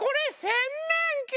せんめんき！